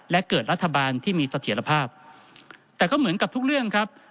และเกิดรัฐบาลที่มีเสถียรภาพแต่ก็เหมือนกับทุกเรื่องครับ